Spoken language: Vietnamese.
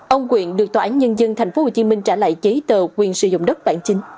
ông nguyễn được tòa án nhân dân tp hcm trả lại chế tờ quyền sử dụng đất bản chính